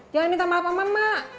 jangan minta maaf sama mak